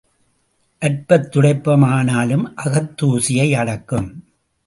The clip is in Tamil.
அற்பத் துடைப்பம் ஆனாலும் அகத் தூசியை அடக்கும்.